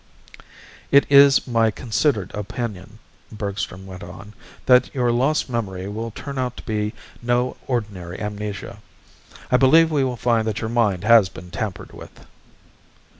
"It is my considered opinion," Bergstrom went on, "that your lost memory will turn out to be no ordinary amnesia. I believe we will find that your mind has been tampered with."